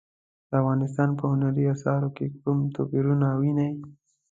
د افغانستان په هنري اثارو کې کوم توپیرونه وینئ؟